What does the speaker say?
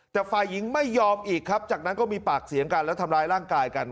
แต่ฝ่ายหญิงไม่ยอมอีกครับจากนั้นก็มีปากเสียงกันแล้วทำร้ายร่างกายกัน